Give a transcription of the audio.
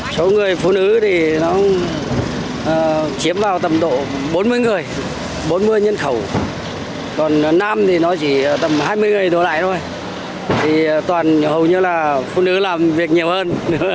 số người phụ nữ thì nó chiếm vào tầm độ bốn mươi người bốn mươi nhân khẩu còn nam thì nó chỉ tầm hai mươi người đồ lại thôi thì toàn hầu như là phụ nữ làm việc nhiều hơn